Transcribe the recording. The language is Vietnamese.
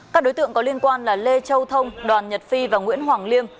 các đối tượng có liên quan là lê châu thông đoàn nhật phi và nguyễn hoàng liêm